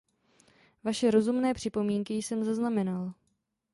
Vaše rozumné připomínky jsem zaznamenal.